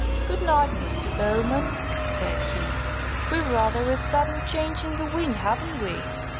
"Good night, Mr. Bowman," said he; "we've rather a sudden change in the wind, haven't we?"